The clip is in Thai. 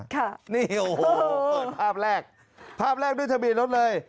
ค่ะนี่โอ้โหเปิดภาพแรกภาพแรกด้วยทะเบียนรถเลย